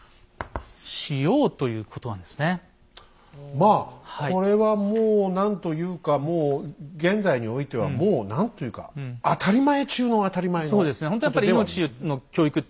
まあこれはもう何というか現在においてはもう何というか当たり前中の当たり前のことではありますね。